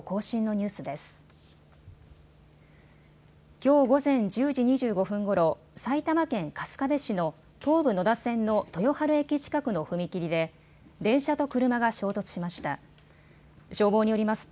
きょう午前１０時２５分ごろ埼玉県春日部市の東武野田線の豊原駅近くの踏切で電車と車が衝突しました。